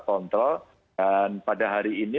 kontrol dan pada hari ini